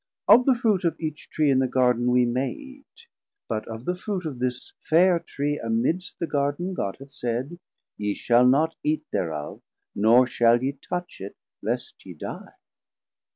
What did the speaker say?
Of the Fruit Of each Tree in the Garden we may eate, 660 But of the Fruit of this fair Tree amidst The Garden, God hath said, Ye shall not eate Thereof, nor shall ye touch it, least ye die.